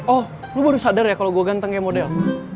oh lo baru sadar ya kalau gue ganteng kayak model